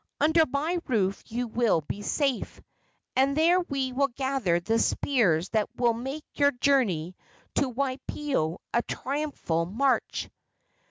Under my roof you will be safe, and there we will gather the spears that will make your journey to Waipio a triumphal march."